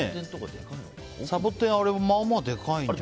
サボテン、あれもまあまあでかいな。